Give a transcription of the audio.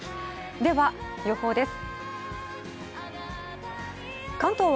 では、予報です。